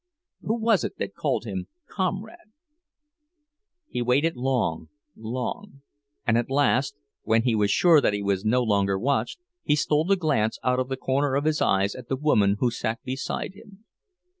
Who was it that called him "comrade"? He waited long, long; and at last, when he was sure that he was no longer watched, he stole a glance out of the corner of his eyes at the woman who sat beside him.